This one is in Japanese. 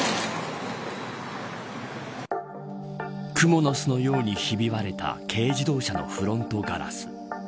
クモの巣のようにひび割れた軽自動車のフロントガラス。